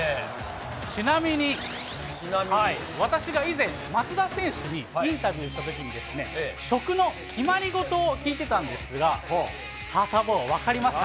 ちなみに、私が以前、松田選手にインタビューしたときにですね、食の決まり事を聞いてたんですが、サタボー、分かりますか？